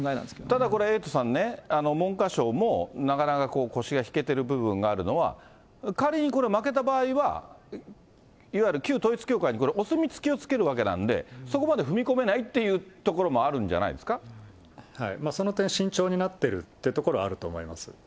ただこれエイトさんね、文科省も、なかなか腰が引けてる部分があるのは、仮にこれ、負けた場合は、いわゆる旧統一教会に、お墨付きをつけるわけなんで、そこまで踏み込めないっていうとこその点、慎重になってるってところはあると思います。